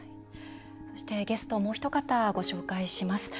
そして、ゲストもうお一方ご紹介します。